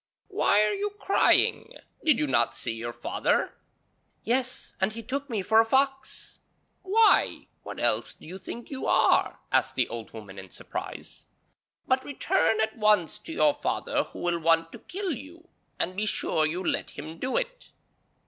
'Why are you crying? Did you not see your father?' 'Yes, and he took me for a fox.' 'Why, what else do you think you are?' asked the old woman in surprise. 'But return at once to your father who will want to kill you; and be sure you let him do it.'